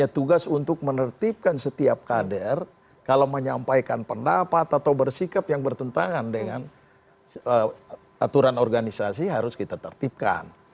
tugas untuk menertibkan setiap kader kalau menyampaikan pendapat atau bersikap yang bertentangan dengan aturan organisasi harus kita tertipkan